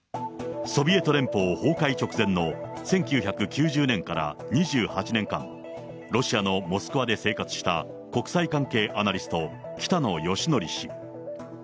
ソビエト連邦崩壊直前の１９９０年から２８年間、ロシアのモスクワで生活した、国際関係アナリスト、北野幸伯氏。